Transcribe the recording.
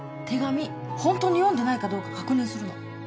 手紙ホントに読んでないかどうか確認するの。